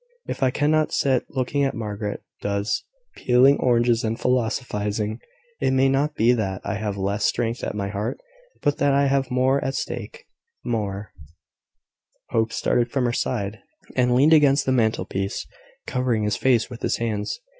If I cannot sit looking as Margaret does, peeling oranges and philosophising, it may not be that I have less strength at my heart, but that I have more at stake, more " Hope started from her side, and leaned against the mantelpiece, covering his face with his hands.